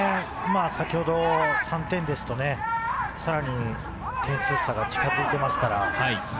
先ほどの３点ですと、さらに点数差が近づいていますから。